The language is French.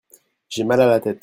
J'ai mal à la tête.